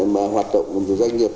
mà hoạt động doanh nghiệp